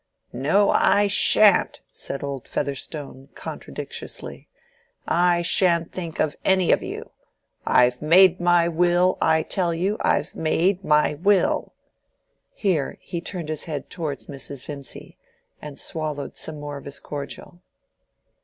"No, I shan't," said old Featherstone, contradictiously. "I shan't think of any of you. I've made my will, I tell you, I've made my will." Here he turned his head towards Mrs. Vincy, and swallowed some more of his cordial.